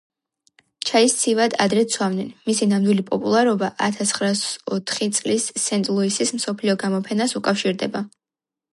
ჩაის ცივად ადრეც სვამდნენ, მისი ნამდვილი პოპულარობა ათასცხრაასოთხი წლის სენტ-ლუისის მსოფლიო გამოფენას უკავშირდება.